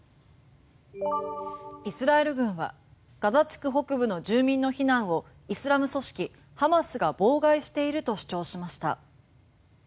イスラエル軍はガザ地区北部の住民の避難をイスラム組織ハマスが妨害していると主張しました。